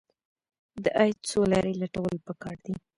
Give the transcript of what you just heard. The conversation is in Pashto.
د عاید څو لارې لټول پکار دي.